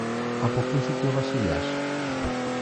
αποκρίθηκε ο Βασιλιάς.